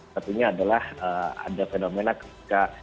satunya adalah ada fenomena ketika